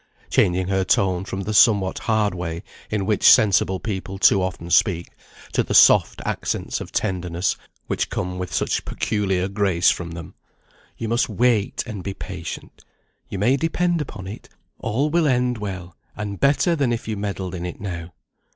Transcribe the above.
changing her tone from the somewhat hard way in which sensible people too often speak, to the soft accents of tenderness which come with such peculiar grace from them; "you must just wait and be patient. You may depend upon it, all will end well, and better than if you meddled in it now."